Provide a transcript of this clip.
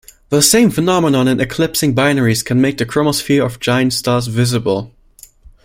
The same phenomenon in eclipsing binaries can make the chromosphere of giant stars visible.